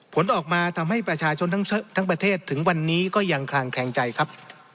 ผลออกมาทำให้ประชาชนทั้งประเทศถึงวันนี้ก็ยังคลางแคลงใจครับ